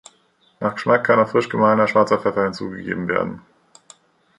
Nach Geschmack kann noch frisch gemahlener schwarzer Pfeffer hinzugegeben werden.